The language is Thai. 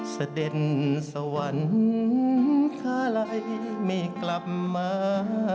เสด็จสวรรค์คาไหลไม่กลับมา